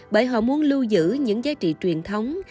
bởi họ muốn lưu giữ những giá trị truyền thống